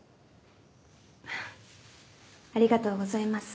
ありがとうございます。